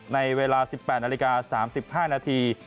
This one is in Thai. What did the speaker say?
ในเวลา๑๘นาฬิกา๓๕นาที